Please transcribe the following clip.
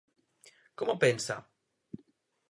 Como pensa?